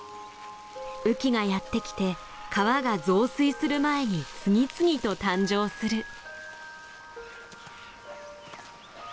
雨季がやってきて川が増水する前に次々と誕生する。